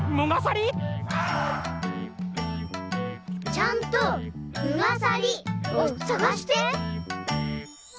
・ちゃんと「むがさり」をさがして。